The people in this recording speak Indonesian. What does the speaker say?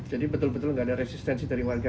jadi betul betul tidak ada resistensi dari warga